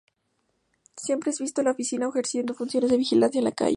Siempre es visto en la oficina o ejerciendo funciones de vigilancia en la calle.